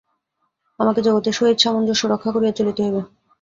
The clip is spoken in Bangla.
আমাকে জগতের সহিত সামঞ্জস্য রক্ষা করিয়া চলিতে হইবে।